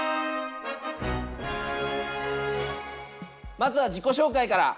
まずは自己紹介から。